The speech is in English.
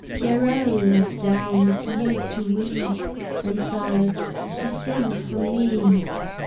Pierrot laid down his lute to weep, And sighed, "She sings for me."